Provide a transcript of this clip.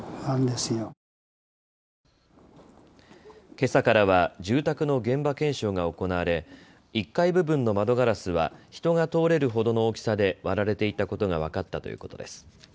けさからは住宅の現場検証が行われ１階部分の窓ガラスは人が通れるほどの大きさで割られていたことが分かったということです。